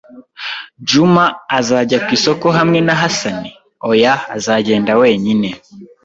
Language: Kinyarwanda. "Juma azajya ku isoko hamwe na Hasani?" "Oya, azagenda wenyine."